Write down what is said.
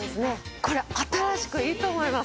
これ新しくいいと思います。